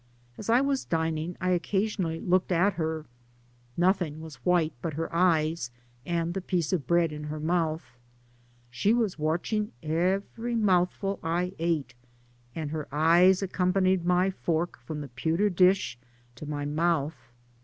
As I was dining, I occasionally looked at her; nothing was white but her eyes and the piece of bread in her mouth ; lahe was watching every mouthful I ate, and her eyes accompanied my fork from the pewter dish to my mouth.